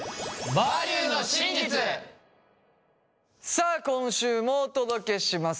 さあ今週もお届けします！